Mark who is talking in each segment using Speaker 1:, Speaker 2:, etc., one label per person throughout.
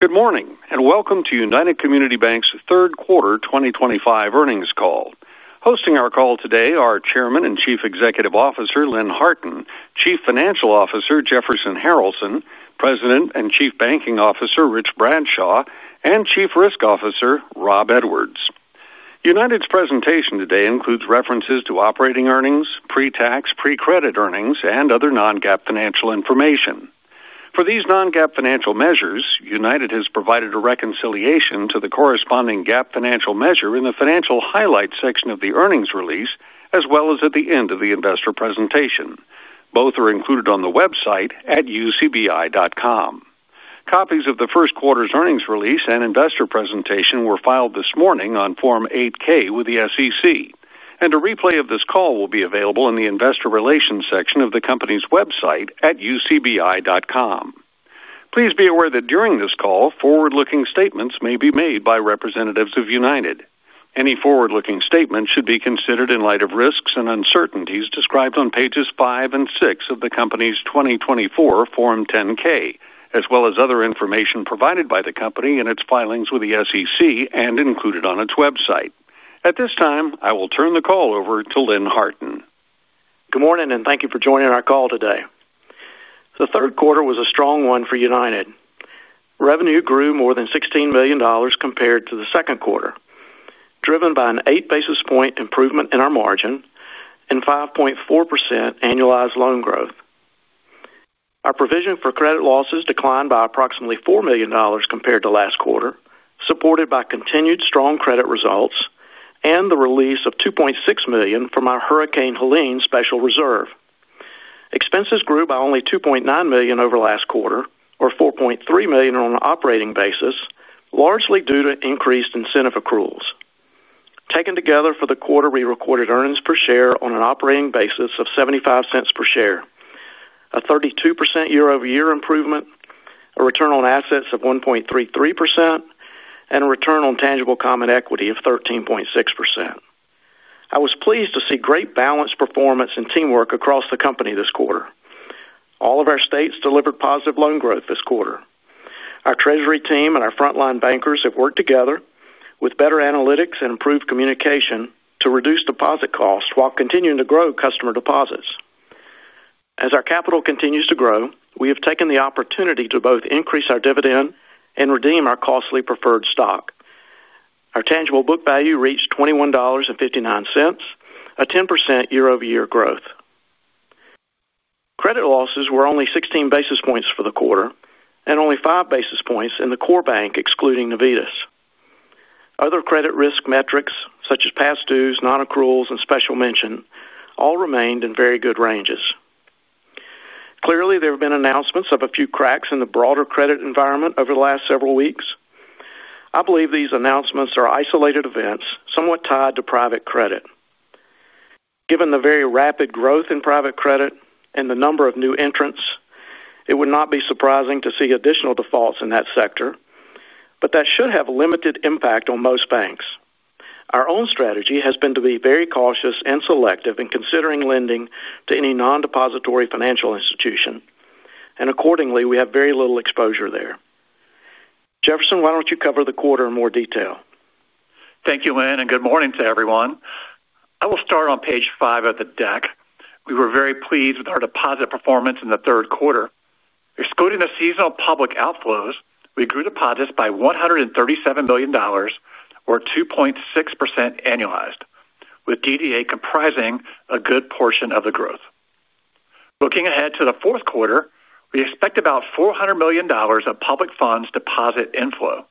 Speaker 1: Good morning and welcome to United Community Banks' third quarter 2025 earnings call. Hosting our call today are Chairman and Chief Executive Officer Lynn Harton, Chief Financial Officer Jefferson Harralson, President and Chief Banking Officer Rich Bradshaw, and Chief Risk Officer Rob Edwards. United's presentation today includes references to operating earnings, pre-tax, pre-credit earnings, and other non-GAAP financial information. For these non-GAAP financial measures, United has provided a reconciliation to the corresponding GAAP financial measure in the financial highlights section of the earnings release, as well as at the end of the investor presentation. Both are included on the website at UCBI.com. Copies of the first quarter's earnings release and investor presentation were filed this morning on Form 8-K with the SEC, and a replay of this call will be available in the investor relations section of the company's website at UCBI.com. Please be aware that during this call, forward-looking statements may be made by representatives of United. Any forward-looking statement should be considered in light of risks and uncertainties described on pages 5 and 6 of the company's 2024 Form 10-K, as well as other information provided by the company in its filings with the SEC and included on its website. At this time, I will turn the call over to Lynn Harton.
Speaker 2: Good morning and thank you for joining our call today. The third quarter was a strong one for United. Revenue grew more than $16 million compared to the second quarter, driven by an 8 basis point improvement in our margin and 5.4% annualized loan growth. Our provision for credit losses declined by approximately $4 million compared to last quarter, supported by continued strong credit results and the release of $2.6 million from our Hurricane Helene Special Reserve. Expenses grew by only $2.9 million over last quarter, or $4.3 million on an operating basis, largely due to increased incentive accruals. Taken together for the quarter, we recorded earnings per share on an operating basis of $0.75 per share, a 32% year-over-year improvement, a return on assets of 1.33%, and a return on tangible common equity of 13.6%. I was pleased to see great balance performance and teamwork across the company this quarter. All of our estates delivered positive loan growth this quarter. Our Treasury team and our frontline bankers have worked together with better analytics and improved communication to reduce deposit costs while continuing to grow customer deposits. As our capital continues to grow, we have taken the opportunity to both increase our dividend and redeem our costly preferred stock. Our tangible book value reached $21.59, a 10% year-over-year growth. Credit losses were only 16 basis points for the quarter and only 5 basis points in the core bank excluding Navitas. Other credit risk metrics, such as past dues, non-accruals, and special mention, all remained in very good ranges. Clearly, there have been announcements of a few cracks in the broader credit environment over the last several weeks. I believe these announcements are isolated events somewhat tied to private credit. Given the very rapid growth in private credit and the number of new entrants, it would not be surprising to see additional defaults in that sector, but that should have limited impact on most banks. Our own strategy has been to be very cautious and selective in considering lending to any non-depository financial institution, and accordingly, we have very little exposure there. Jefferson, why don't you cover the quarter in more detail?
Speaker 3: Thank you, Lynn, and good morning to everyone. I will start on page 5 of the deck. We were very pleased with our deposit performance in the third quarter. Excluding the seasonal public outflows, we grew deposits by $137 million, or 2.6% annualized, with DDA comprising a good portion of the growth. Looking ahead to the fourth quarter, we expect about $400 million of public funds deposit inflow.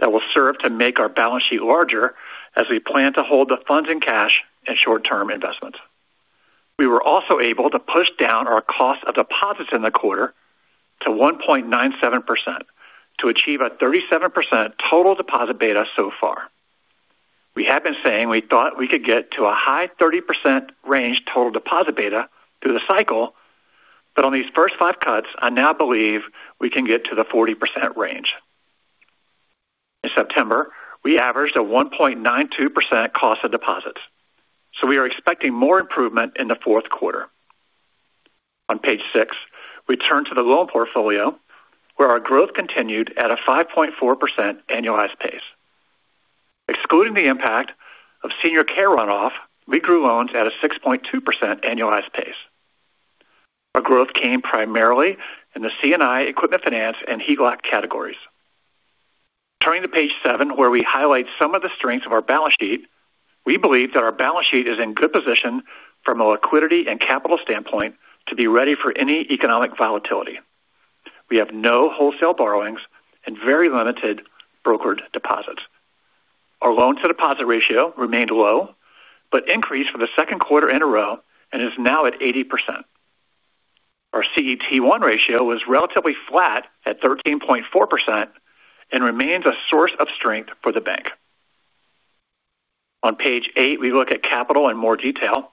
Speaker 3: That will serve to make our balance sheet larger as we plan to hold the funds in cash and short-term investments. We were also able to push down our cost of deposits in the quarter to 1.97% to achieve a 37% total deposit beta so far. We have been saying we thought we could get to a high 30% range total deposit beta through the cycle, but on these first five cuts, I now believe we can get to the 40% range. In September, we averaged a 1.92% cost of deposits, so we are expecting more improvement in the fourth quarter. On page 6, we turn to the loan portfolio where our growth continued at a 5.4% annualized pace. Excluding the impact of senior care runoff, we grew loans at a 6.2% annualized pace. Our growth came primarily in the C&I, Equipment Finance, and HELOC categories. Turning to page 7, where we highlight some of the strengths of our balance sheet, we believe that our balance sheet is in good position from a liquidity and capital standpoint to be ready for any economic volatility. We have no wholesale borrowings and very limited brokered deposits. Our loan-to-deposit ratio remained low but increased for the second quarter in a row and is now at 80%. Our CET1 ratio was relatively flat at 13.4% and remains a source of strength for the bank. On page 8, we look at capital in more detail.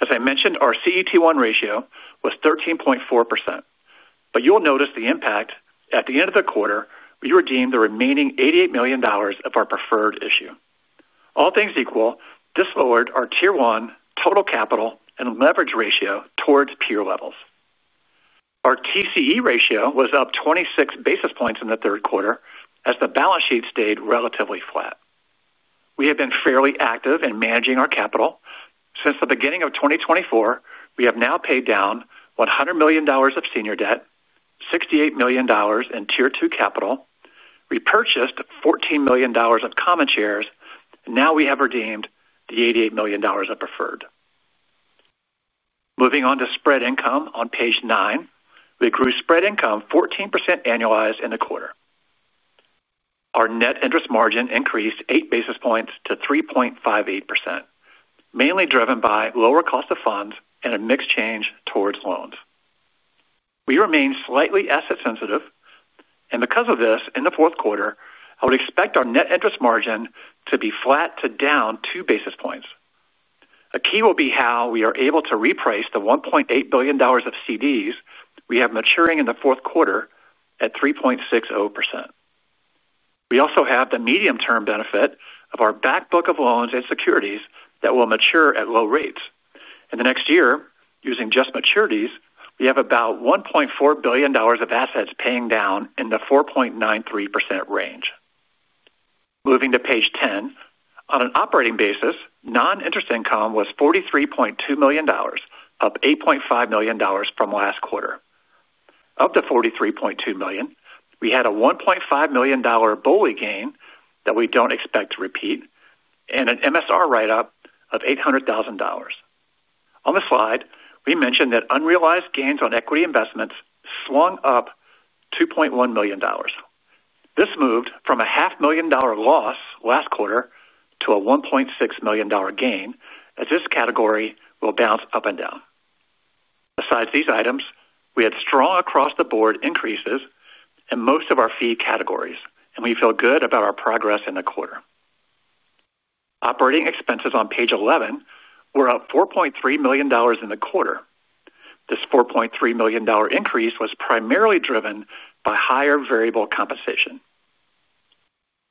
Speaker 3: As I mentioned, our CET1 ratio was 13.4%, but you'll notice the impact at the end of the quarter. We redeemed the remaining $88 million of our preferred issue. All things equal, this lowered our Tier 1 total capital and leverage ratio towards peer levels. Our TCE ratio was up 26 basis points in the third quarter as the balance sheet stayed relatively flat. We have been fairly active in managing our capital. Since the beginning of 2024, we have now paid down $100 million of senior debt, $68 million in Tier 2 capital. We purchased $14 million of common shares, and now we have redeemed the $88 million of preferred. Moving on to spread income, on page 9, we grew spread income 14% annualized in the quarter. Our net interest margin increased 8 basis points to 3.58%, mainly driven by lower cost of funds and a mix change towards loans. We remain slightly asset-sensitive, and because of this, in the fourth quarter, I would expect our net interest margin to be flat to down 2 basis points. A key will be how we are able to reprice the $1.8 billion of CDs we have maturing in the fourth quarter at 3.60%. We also have the medium-term benefit of our back book of loans and securities that will mature at low rates. In the next year, using just maturities, we have about $1.4 billion of assets paying down in the 4.93% range. Moving to page 10, on an operating basis, non-interest income was $43.2 million, up $8.5 million from last quarter. Up to $43.2 million, we had a $1.5 million bulk gain that we don't expect to repeat and an MSR write-up of $800,000. On the slide, we mentioned that unrealized gains on equity investments swung up $2.1 million. This moved from a $500,000 loss last quarter to a $1.6 million gain as this category will bounce up and down. Besides these items, we had strong across-the-board increases in most of our fee categories, and we feel good about our progress in the quarter. Operating expenses on page 11 were up $4.3 million in the quarter. This $4.3 million increase was primarily driven by higher variable compensation.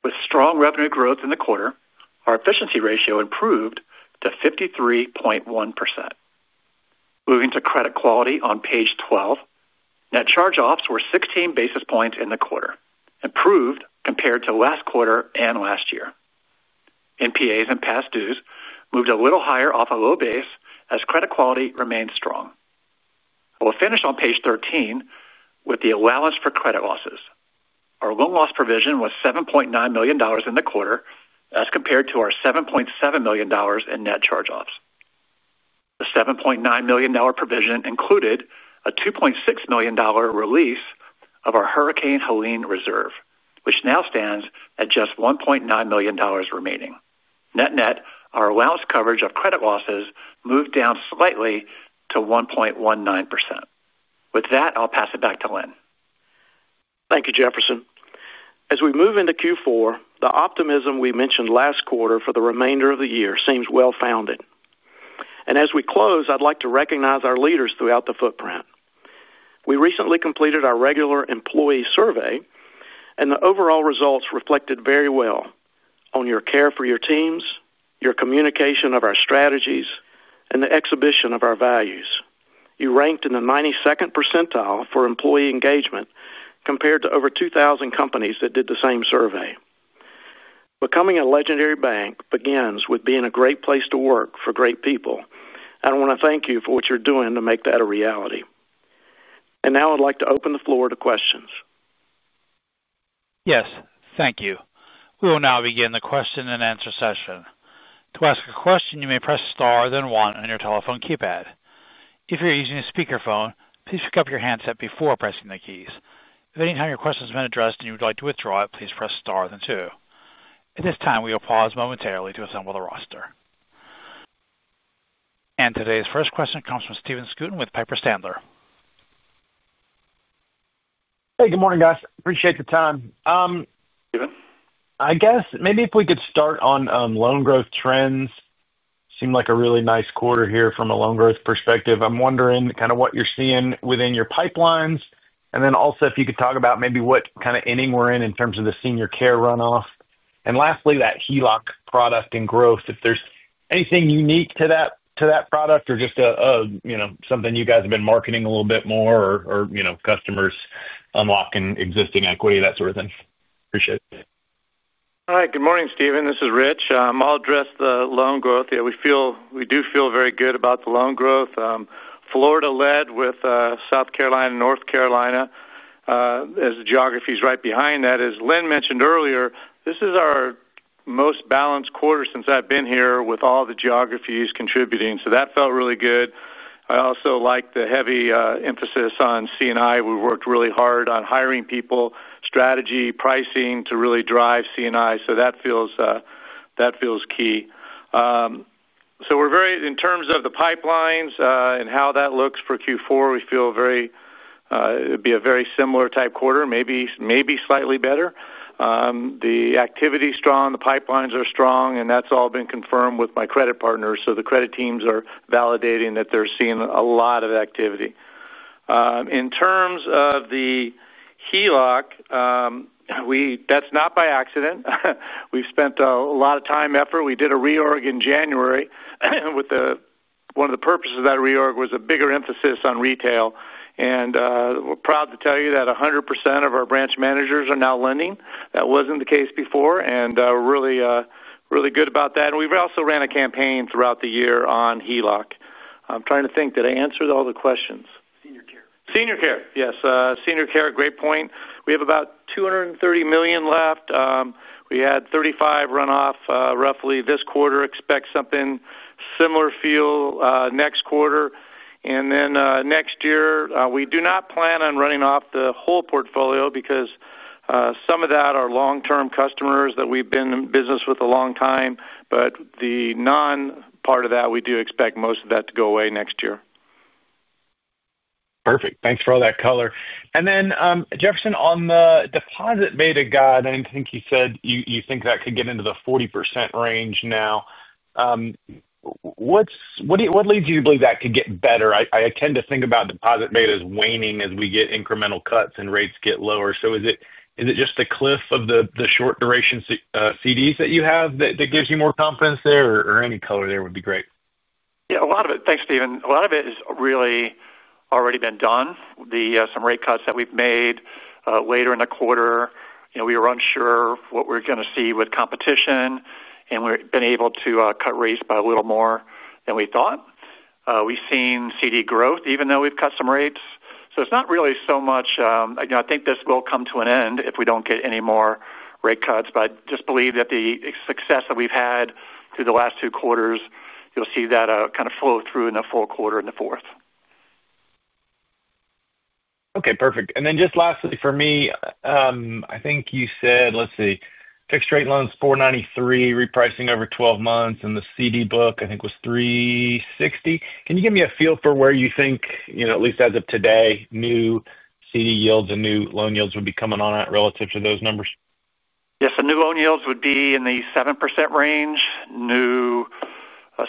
Speaker 3: With strong revenue growth in the quarter, our efficiency ratio improved to 53.1%. Moving to credit quality on page 12, net charge-offs were 16 basis points in the quarter, improved compared to last quarter and last year. NPAs and past dues moved a little higher off a low base as credit quality remains strong. I will finish on page 13 with the allowance for credit losses. Our loan loss provision was $7.9 million in the quarter as compared to our $7.7 million in net charge-offs. The $7.9 million provision included a $2.6 million release of our Hurricane Helene Reserve, which now stands at just $1.9 million remaining. Net-net, our allowance coverage of credit losses moved down slightly to 1.19%. With that, I'll pass it back to Lynn.
Speaker 2: Thank you, Jefferson. As we move into Q4, the optimism we mentioned last quarter for the remainder of the year seems well-founded. As we close, I'd like to recognize our leaders throughout the footprint. We recently completed our regular employee survey, and the overall results reflected very well on your care for your teams, your communication of our strategies, and the exhibition of our values. You ranked in the 92% percentile for employee engagement compared to over 2,000 companies that did the same survey. Becoming a legendary bank begins with being a great place to work for great people, and I want to thank you for what you're doing to make that a reality. I would now like to open the floor to questions.
Speaker 1: Yes, thank you. We will now begin the question-and-answer session. To ask a question, you may press star then one on your telephone keypad. If you're using a speakerphone, please pick up your handset before pressing the keys. If at any time your question has been addressed and you would like to withdraw it, please press star then two. At this time, we will pause momentarily to assemble the roster. Today's first question comes from Stephen Scouten with Piper Sandler.
Speaker 4: Hey, good morning, guys. Appreciate the time.
Speaker 2: Stephen.
Speaker 4: I guess maybe if we could start on loan growth trends. Seemed like a really nice quarter here from a loan growth perspective. I'm wondering what you're seeing within your pipelines. Also, if you could talk about what kind of inning we're in in terms of the senior care runoff. Lastly, that HELOC product and growth, if there's anything unique to that product or just something you guys have been marketing a little bit more, or customers unlocking existing equity, that sort of thing. Appreciate it.
Speaker 5: All right. Good morning, Stephen. This is Rich. I'll address the loan growth. Yeah, we do feel very good about the loan growth. Florida led, with South Carolina and North Carolina as the geographies right behind that. As Lynn mentioned earlier, this is our most balanced quarter since I've been here with all the geographies contributing, so that felt really good. I also like the heavy emphasis on C&I. We worked really hard on hiring people, strategy, pricing to really drive C&I, so that feels key. In terms of the pipelines and how that looks for Q4, we feel it will be a very similar type quarter, maybe slightly better. The activity is strong, the pipelines are strong, and that's all been confirmed with my credit partners, so the credit teams are validating that they're seeing a lot of activity. In terms of the HELOC, that's not by accident. We've spent a lot of time and effort. We did a reorg in January, and one of the purposes of that reorg was a bigger emphasis on retail. We're proud to tell you that 100% of our branch managers are now lending. That wasn't the case before, and we're really, really good about that. We've also ran a campaign throughout the year on HELOC. I'm trying to think. Did I answer all the questions?
Speaker 2: Senior care.
Speaker 5: Senior care, yes. Senior care, great point. We have about $230 million left. We had $35 million runoff, roughly this quarter. Expect something similar feel, next quarter. Next year, we do not plan on running off the whole portfolio because some of that are long-term customers that we've been in business with a long time, but the non-part of that, we do expect most of that to go away next year.
Speaker 4: Perfect. Thanks for all that color. Jefferson, on the deposit beta guide, I think you said you think that could get into the 40% range now. What leads you to believe that could get better? I tend to think about deposit beta as waning as we get incremental cuts and rates get lower. Is it just the cliff of the short duration CDs that you have that gives you more confidence there? Any color there would be great.
Speaker 3: Yeah, thanks, Stephen. A lot of it has really already been done. Some rate cuts that we've made later in the quarter, you know, we were unsure of what we were going to see with competition, and we've been able to cut rates by a little more than we thought. We've seen CD growth even though we've cut some rates. It's not really so much, you know, I think this will come to an end if we don't get any more rate cuts, but I just believe that the success that we've had through the last two quarters, you'll see that kind of flow through in the full quarter in the fourth.
Speaker 4: Okay, perfect. Lastly for me, I think you said, let's see, fixed-rate loans $493 million, repricing over 12 months, and the CD book, I think, was $360 million. Can you give me a feel for where you think, at least as of today, new CD yields and new loan yields would be coming on at relative to those numbers?
Speaker 3: Yes, the new loan yields would be in the 7% range. New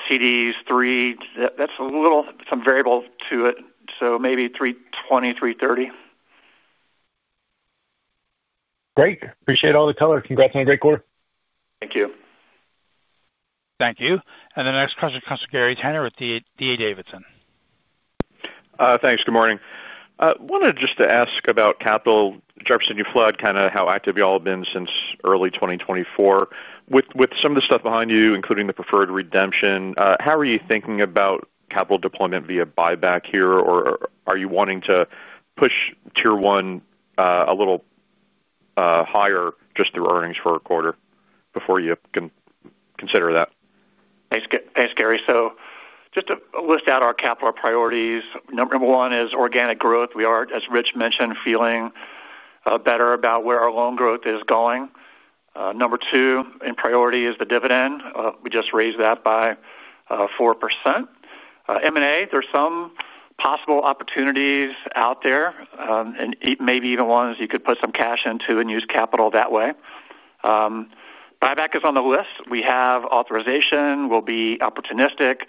Speaker 3: CDs, 3%, that's a little, some variable to it, so maybe $320-$330.
Speaker 4: Great. Appreciate all the color. Congrats on a great quarter.
Speaker 3: Thank you.
Speaker 1: Thank you. The next question comes from Gary Tenner with D.A. Davidson.
Speaker 6: Thanks. Good morning. Wanted just to ask about capital. Jefferson, you've flagged kind of how active y'all have been since early 2024. With some of the stuff behind you, including the preferred redemption, how are you thinking about capital deployment via buyback here, or are you wanting to push Tier 1 a little higher just through earnings for a quarter before you can consider that?
Speaker 3: Thanks, thanks, Gary. Just to list out our capital priorities, number one is organic growth. We are, as Rich mentioned, feeling better about where our loan growth is going. Number two in priority is the dividend. We just raised that by 4%. M&A, there are some possible opportunities out there, and maybe even ones you could put some cash into and use capital that way. Buyback is on the list. We have authorization. We'll be opportunistic,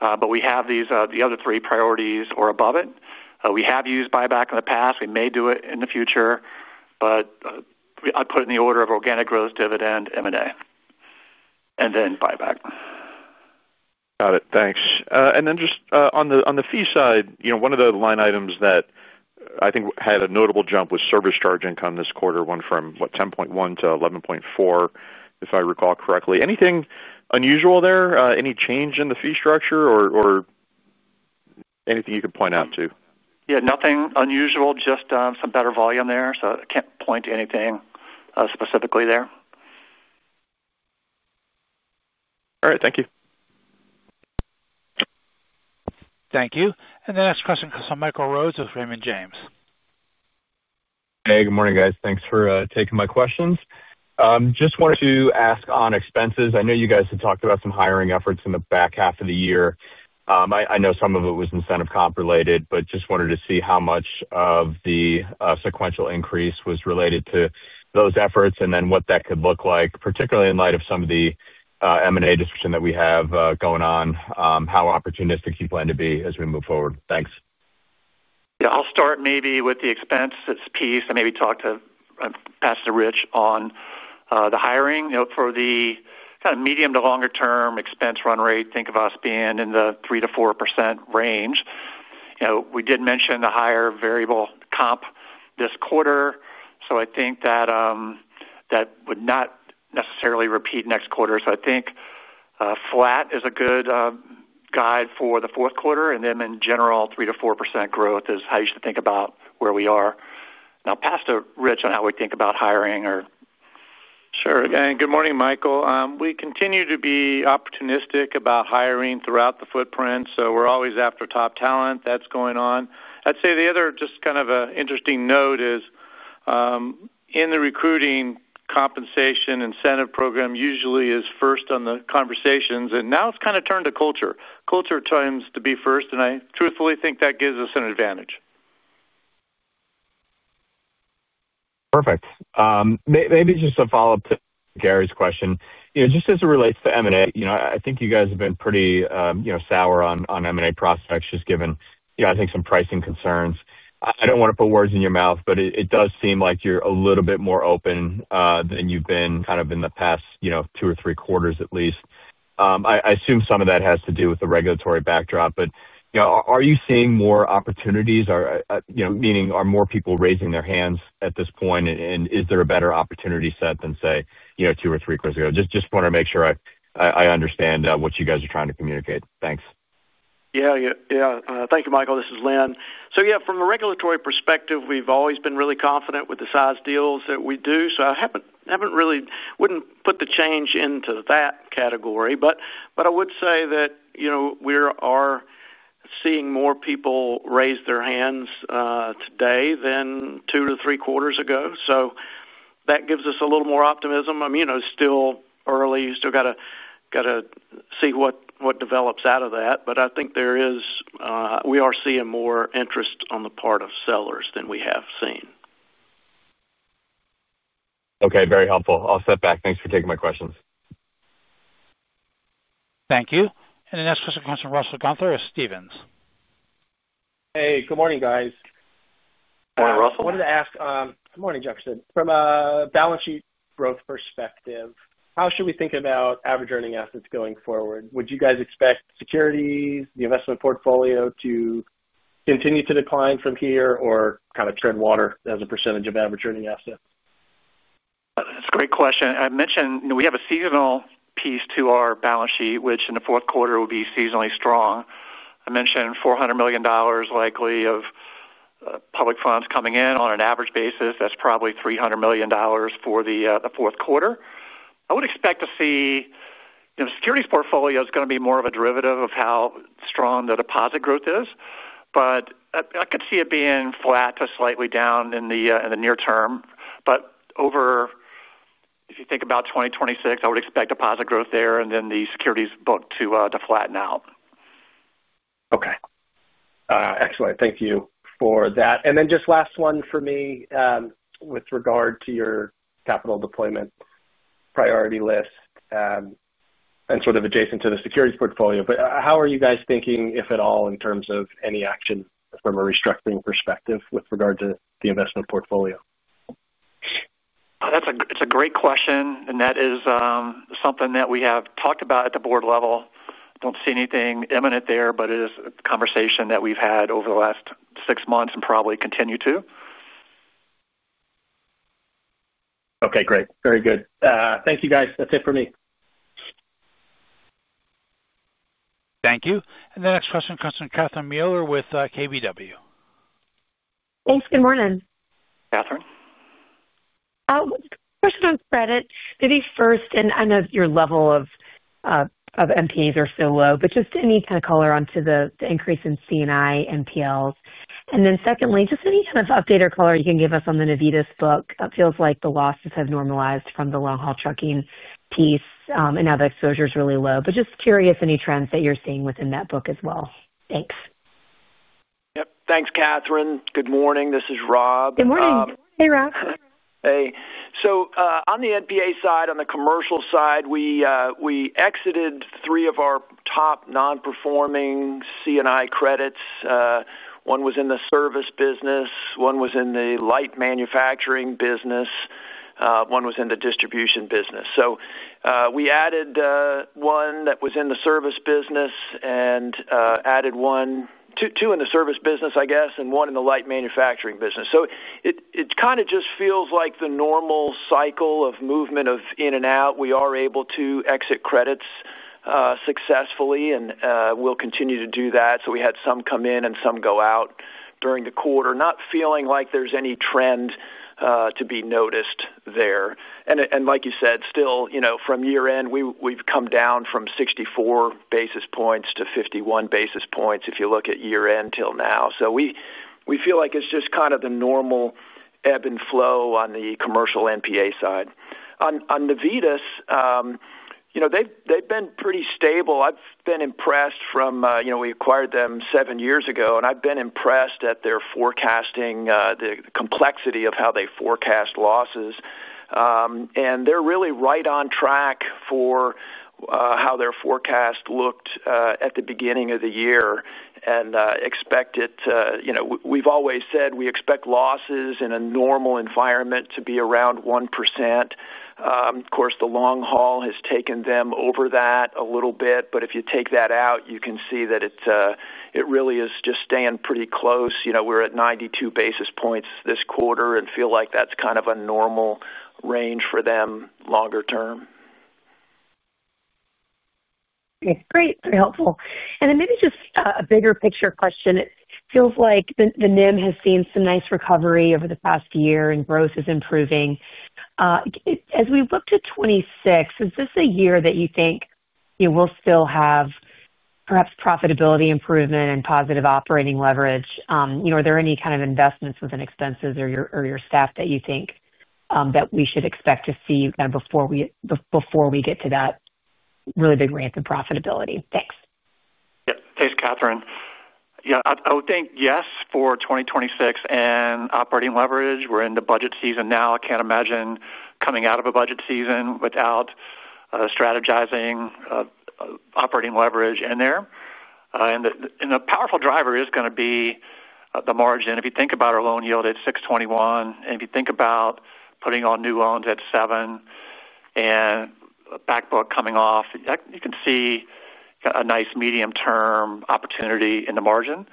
Speaker 3: but we have these, the other three priorities are above it. We have used buyback in the past. We may do it in the future, but I'd put it in the order of organic growth, dividend, M&A, and then buyback.
Speaker 6: Got it. Thanks. On the fee side, one of the line items that I think had a notable jump was service charge income this quarter. It went from $10.1 million-$11.4 million, if I recall correctly. Anything unusual there? Any change in the fee structure or anything you could point out to?
Speaker 3: Nothing unusual, just some better volume there. I can't point to anything specifically there.
Speaker 6: All right, thank you.
Speaker 1: Thank you. The next question comes from Michael Rose with Raymond James.
Speaker 7: Hey, good morning, guys. Thanks for taking my questions. I just wanted to ask on expenses. I know you guys had talked about some hiring efforts in the back half of the year. I know some of it was incentive comp related, but just wanted to see how much of the sequential increase was related to those efforts and then what that could look like, particularly in light of some of the M&A discussion that we have going on. How opportunistic do you plan to be as we move forward? Thanks.
Speaker 3: Yeah, I'll start maybe with the expenses piece and maybe pass to Rich on the hiring. For the kind of medium to longer-term expense run rate, think of us being in the 3%-4% range. We did mention the higher variable comp this quarter, so I think that would not necessarily repeat next quarter. I think flat is a good guide for the fourth quarter, and in general, 3%-4% growth is how you should think about where we are. I'll pass to Rich on how we think about hiring.
Speaker 5: Sure. Again, good morning, Michael. We continue to be opportunistic about hiring throughout the footprint, so we're always after top talent. That's going on. I'd say the other just kind of an interesting note is, in the recruiting, compensation incentive program usually is first on the conversations, and now it's kind of turned to culture. Culture tends to be first, and I truthfully think that gives us an advantage.
Speaker 7: Perfect. Maybe just a follow-up to Gary's question. Just as it relates to M&A, I think you guys have been pretty sour on M&A prospects just given, I think, some pricing concerns. I don't want to put words in your mouth, but it does seem like you're a little bit more open than you've been in the past two or three quarters at least. I assume some of that has to do with the regulatory backdrop, but are you seeing more opportunities? Meaning, are more people raising their hands at this point, and is there a better opportunity set than, say, two or three quarters ago? Just wanted to make sure I understand what you guys are trying to communicate. Thanks.
Speaker 2: Thank you, Michael. This is Lynn. From a regulatory perspective, we've always been really confident with the size deals that we do. I wouldn't put the change into that category. I would say that we are seeing more people raise their hands today than 2-3 quarters ago, so that gives us a little more optimism. It's still early. You still have to see what develops out of that, but I think we are seeing more interest on the part of sellers than we have seen.
Speaker 7: Okay, very helpful. I'll step back. Thanks for taking my questions.
Speaker 1: Thank you. The next question comes from Russell Gunther with Stephens.
Speaker 8: Hey, good morning, guys.
Speaker 3: Morning, Russell.
Speaker 9: Wanted to ask, good morning, Jefferson. From a balance sheet growth perspective, how should we think about average earning assets going forward? Would you guys expect securities, the investment portfolio, to continue to decline from here or kind of trend water as a percentage of average earning assets?
Speaker 3: That's a great question. I mentioned we have a seasonal piece to our balance sheet, which in the fourth quarter will be seasonally strong. I mentioned $400 million likely of public funds coming in on an average basis. That's probably $300 million for the fourth quarter. I would expect to see, you know, securities portfolio is going to be more of a derivative of how strong the deposit growth is, but I could see it being flat to slightly down in the near term. If you think about 2026, I would expect deposit growth there and then the securities book to flatten out.
Speaker 8: Okay. Excellent. Thank you for that. Just last one for me, with regard to your capital deployment priority list, and sort of adjacent to the securities portfolio, how are you guys thinking, if at all, in terms of any action from a restructuring perspective with regard to the investment portfolio?
Speaker 3: Oh, that's a great question, and that is something that we have talked about at the board level. I don't see anything imminent there, but it is a conversation that we've had over the last six months and probably continue to.
Speaker 8: Okay, great. Very good. Thank you, guys. That's it for me.
Speaker 1: Thank you. The next question comes from Catherine Mealor with KBW.
Speaker 10: Thanks. Good morning.
Speaker 11: Catherine?
Speaker 10: Question on credit. Maybe first, I know your level of NPLs are so low, but just any kind of color on the increase in C&I NPLs. Secondly, just any kind of update or color you can give us on the Navitas book. It feels like the losses have normalized from the long-haul trucking piece, and now the exposure is really low. Just curious, any trends that you're seeing within that book as well. Thanks.
Speaker 11: Yep. Thanks, Catherine. Good morning. This is Rob.
Speaker 10: Good morning. Hey, Rob.
Speaker 11: Hey. On the NPA side, on the commercial side, we exited three of our top non-performing C&I credits. One was in the service business, one was in the light manufacturing business, one was in the distribution business. We added one that was in the service business, added two in the service business, I guess, and one in the light manufacturing business. It kind of just feels like the normal cycle of movement in and out. We are able to exit credits successfully, and we'll continue to do that. We had some come in and some go out during the quarter, not feeling like there's any trend to be noticed there. Like you said, still, from year-end, we've come down from 64 basis points to 51 basis points if you look at year-end till now. We feel like it's just kind of the normal ebb and flow on the commercial NPA side. On Navitas, they've been pretty stable. I've been impressed from when we acquired them seven years ago, and I've been impressed at their forecasting, the complexity of how they forecast losses. They're really right on track for how their forecast looked at the beginning of the year. We expect it to, you know, we've always said we expect losses in a normal environment to be around 1%. Of course, the long haul has taken them over that a little bit, but if you take that out, you can see that it really is just staying pretty close. We're at 92 basis points this quarter and feel like that's kind of a normal range for them longer term.
Speaker 10: Okay, great. Very helpful. Maybe just a bigger picture question. It feels like the NIM has seen some nice recovery over the past year and growth is improving. As we look to 2026, is this a year that you think, you know, we'll still have perhaps profitability improvement and positive operating leverage? You know, are there any kind of investments within expenses or your staff that you think we should expect to see before we get to that really big ramp in profitability? Thanks.
Speaker 11: Thanks, Catherine. Yeah, I would think yes for 2026 and operating leverage. We're in the budget season now. I can't imagine coming out of a budget season without strategizing operating leverage in there, and the powerful driver is going to be the margin. If you think about our loan yield at 6.21%, and if you think about putting on new loans at 7% and a back book coming off, you can see a nice medium-term opportunity in the margin.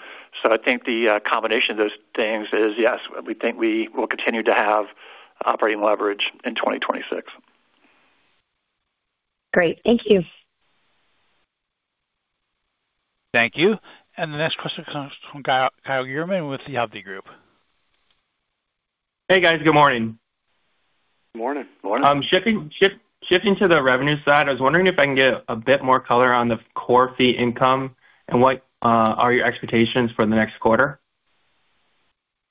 Speaker 11: I think the combination of those things is yes. We think we will continue to have operating leverage in 2026.
Speaker 10: Great, thank you.
Speaker 1: Thank you. The next question comes from Kyle Gierman with the Hovde Group.
Speaker 12: Hey, guys. Good morning.
Speaker 2: Good morning. Morning.
Speaker 12: Shifting to the revenue side, I was wondering if I can get a bit more color on the core fee income and what are your expectations for the next quarter?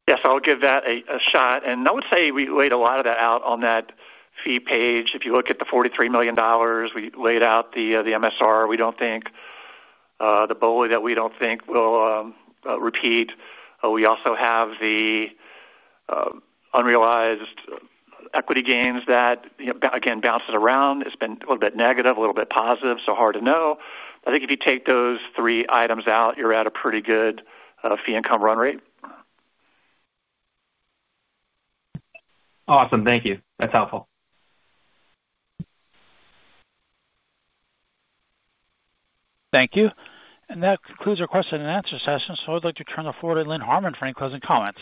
Speaker 3: Yes, I'll give that a shot. I would say we laid a lot of that out on that fee page. If you look at the $43 million, we laid out the MSR. We don't think, the bull that we don't think will repeat. We also have the unrealized equity gains that, you know, again, bounce it around. It's been a little bit negative, a little bit positive, so hard to know. I think if you take those three items out, you're at a pretty good fee income run rate.
Speaker 12: Awesome. Thank you. That's helpful.
Speaker 1: Thank you. That concludes our question-and-answer session. I'd like to turn the floor to Lynn Harton for any closing comments.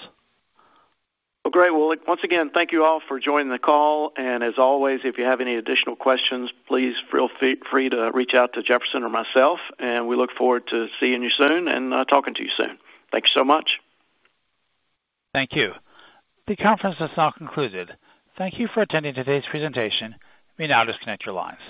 Speaker 2: Once again, thank you all for joining the call. As always, if you have any additional questions, please feel free to reach out to Jefferson or myself. We look forward to seeing you soon and talking to you soon. Thank you so much.
Speaker 1: Thank you. The conference has now concluded. Thank you for attending today's presentation. We now disconnect your lines.